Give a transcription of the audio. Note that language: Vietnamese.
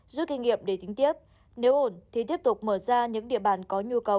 rút kinh nghiệm để tính tiếp nếu ổn thì tiếp tục mở ra những địa bàn có nhu cầu